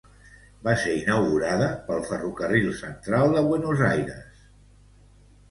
Va ser inaugurada pel Ferrocarril Central de Buenos Aires.